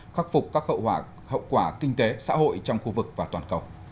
khắc phục các hậu quả kinh tế xã hội trong khu vực và toàn cầu